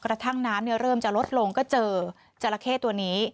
กระทั่งน้ำเริ่มจะลดลงก็เจอจราเข้ตัวนี้